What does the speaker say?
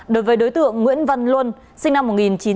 đối với đối tượng nguyễn văn luân sinh năm một nghìn chín trăm tám mươi